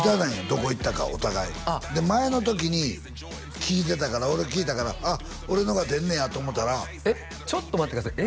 どこ行ったかお互いで前の時に聞いてたから俺聞いたからあっ俺のが出んねやと思ったらえっちょっと待ってください